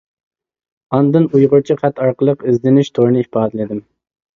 ئاندىن ئۇيغۇرچە خەت ئارقىلىق ئىزدىنىش تورىنى ئىپادىلىدىم.